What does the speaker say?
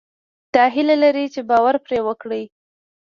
دا هيله لرئ چې باور پرې وکړئ.